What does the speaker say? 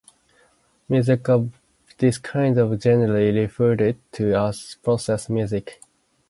Music of this kind is generally referred to as process music.